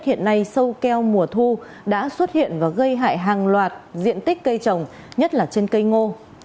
hiện nay sâu keo mùa thu đã xuất hiện và gây hại hàng loạt diện tích cây trồng nhất là trên cây ngô